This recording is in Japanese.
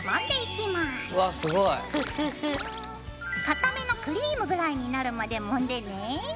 硬めのクリームぐらいになるまでもんでね。